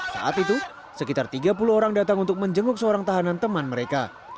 saat itu sekitar tiga puluh orang datang untuk menjenguk seorang tahanan teman mereka